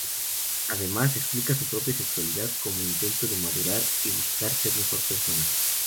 Además explica su propia sexualidad, como intento de madurar y buscar ser mejor persona.